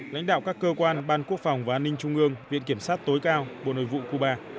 lãnh đạo các cơ quan ban quốc phòng và an ninh trung ương viện kiểm sát tối cao bộ nội vụ cuba